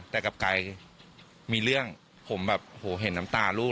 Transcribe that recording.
แต่กับไก่มีเรื่องผมแบบโหเห็นน้ำตาลูก